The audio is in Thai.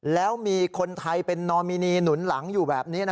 แล้วมีคนไทยเป็นนอมินีหนุนหลังอยู่แบบนี้